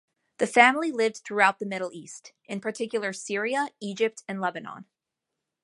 The family lived throughout the Middle East, in particular Syria, Egypt, and Lebanon.